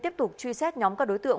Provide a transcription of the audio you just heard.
tiếp tục truy xét nhóm các đối tượng